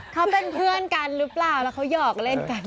เขาเป็นเพื่อนกันหรือเปล่าแล้วเขาหยอกเล่นกัน